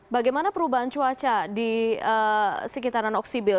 bagaimana perubahan cuaca di sekitaran oksibil